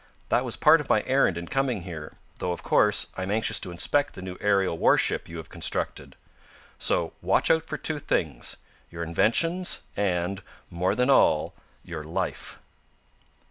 That was part of my errand in coming here, though, of course, I am anxious to inspect the new aerial warship you have constructed. So watch out for two things your inventions, and, more than all, your life!"